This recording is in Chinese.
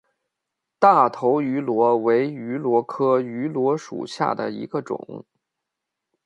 大头芋螺为芋螺科芋螺属下的一个种。